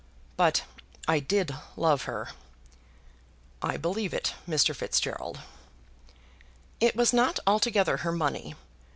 But I did love her." "I believe it, Mr. Fitzgerald." "It was not altogether her money.